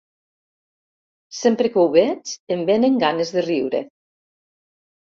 Sempre que ho veig em vénen ganes de riure.